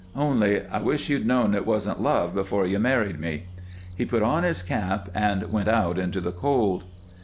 Only I wish you'd known it wasn't love before you married me." He put on his cap and went out into the cold.